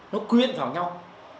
nó quyết vào nhau